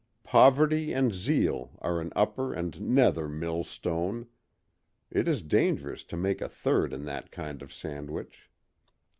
Poverty and zeal are an upper and a nether millstone. It is dangerous to make a third in that kind of sandwich.